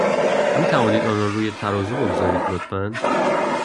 می توانید آن را روی ترازو بگذارید، لطفا؟